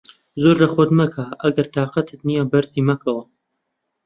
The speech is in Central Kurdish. زۆر لە خۆت مەکە، ئەگەر تاقەتت نییە بەرزی مەکەوە.